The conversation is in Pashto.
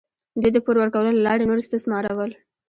دوی د پور ورکولو له لارې نور استثمارول.